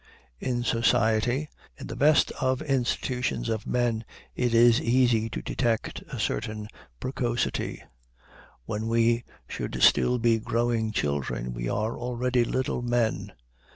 In society, in the best institutions of men, it is easy to detect a certain precocity. When we should still be growing children, we are already little men.